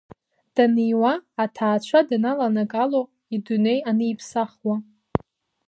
Даниуа, аҭаацәа даналанагало, идунеи аниԥсахуа.